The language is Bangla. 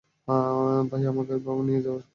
ভাই, আমাকে এভাবে নিয়ে যাওয়ার কারণটা কী?